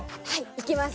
行きます！